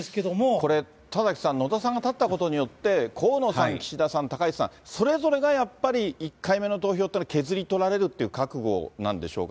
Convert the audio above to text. これ、田崎さん、野田さんが立ったことによって、河野さん、岸田さん、高市さん、それぞれがやっぱり１回目の投票っていうのは、削り取られるっていう覚悟なんでしょうか。